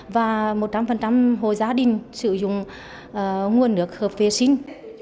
và một trăm linh hồ gia đình sử dụng nguồn nước hợp vệ sinh